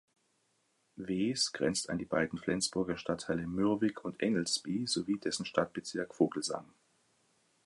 Wees grenzt an die beiden Flensburger Stadtteile Mürwik und Engelsby sowie dessen Stadtbezirk Vogelsang.